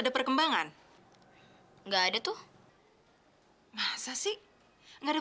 ibu orang yang teman true was saya